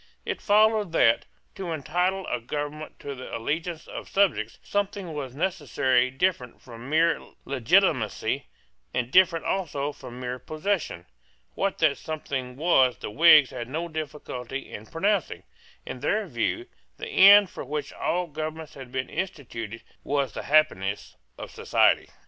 It followed that, to entitle a government to the allegiance of subjects, something was necessary different from mere legitimacy, and different also from mere possession. What that something was the Whigs had no difficulty in pronouncing. In their view, the end for which all governments had been instituted was the happiness of society.